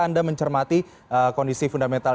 anda mencermati kondisi fundamental